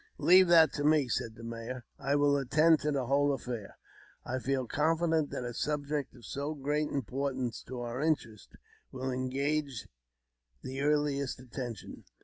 " Leave that to me,'' said the mayor; " I will attend to the whole affair. I feel confident that a subject of so great im portance to our interests will engage the earliest attention."